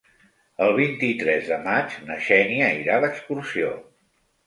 El vint-i-tres de maig na Xènia irà d'excursió.